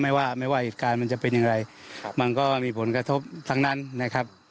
ไม่ว่าไม่ว่าเหตุการณ์มันจะเป็นอย่างไรครับมันก็มีผลกระทบทั้งนั้นนะครับ